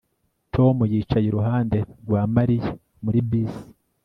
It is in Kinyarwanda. Tom yicaye iruhande rwa Mariya muri bisi